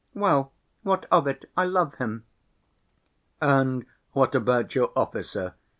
"Well, what of it, I love him!" "And what about your officer?